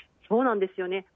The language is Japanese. そうなんですよね。